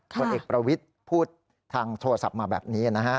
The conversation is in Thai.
ผลเอกประวิทย์พูดทางโทรศัพท์มาแบบนี้นะฮะ